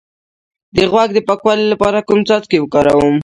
د غوږ د پاکوالي لپاره کوم څاڅکي وکاروم؟